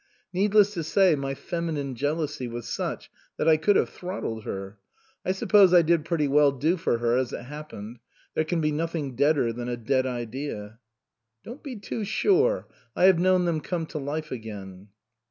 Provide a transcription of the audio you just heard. Needless to say, my feminine jealousy was such that I could have throttled her. I suppose I did pretty well do for her as it happened. There can be nothing deader than a dead idea." " Don't be too sure. I have known them come to life again."